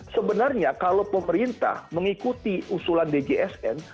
sebenarnya kalau pemerintah mengikuti usulan djsn